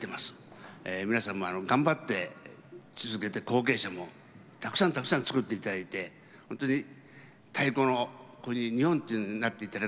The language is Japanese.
皆さんも頑張って続けて後継者もたくさんたくさんつくって頂いてほんとに太鼓の日本一になって頂ければと思ってます。